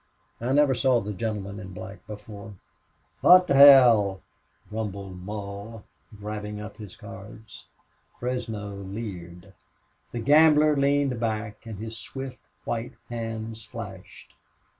"I never saw the gentleman in black before." "What th' hell!" rumbled Mull, grabbing up his cards. Fresno leered. The gambler leaned back and his swift white hands flashed.